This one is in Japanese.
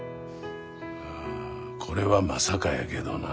まあこれはまさかやけどな。